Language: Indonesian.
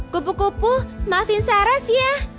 kupu kupu maafin saras ya